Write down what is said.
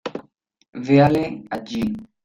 véale allí.